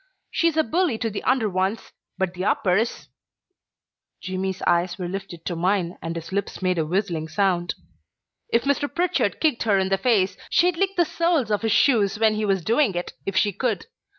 She's a bully to the under ones, but the uppers " Jimmy's eyes were lifted to mine and his lips made a whistling sound. "If Mr. Pritchard kicked her in the face, she'd lick the soles of his shoes when he was doing it, if she could.